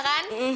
gak usah kan